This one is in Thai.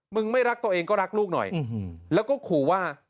ไม่รักตัวเองก็รักลูกหน่อยแล้วก็ขู่ว่า